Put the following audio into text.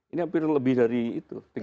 ini hampir lebih dari itu